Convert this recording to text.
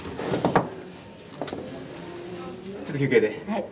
はい。